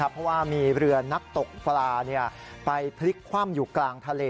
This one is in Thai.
เพราะว่ามีเรือนักตกปลาไปพลิกคว่ำอยู่กลางทะเล